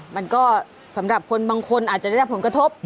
มันก็สำหรับคนบางคนอาจจะได้รับผลกระทบ